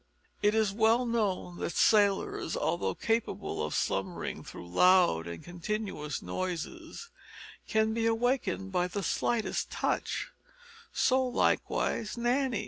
It is well known that sailors, although capable of slumbering through loud and continuous noises, can be awakened by the slightest touch, so likewise Nanny.